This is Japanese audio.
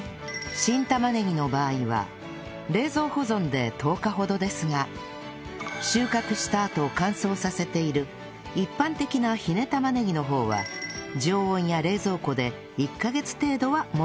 新玉ねぎの場合は冷蔵保存で１０日ほどですが収穫したあと乾燥させている一般的なひね玉ねぎの方は常温や冷蔵庫で１カ月程度は持つんだそう